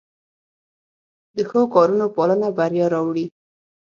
د ښو کارونو پالن بریا راوړي.